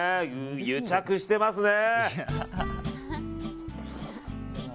癒着してますね。